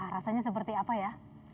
rasanya seperti apa ya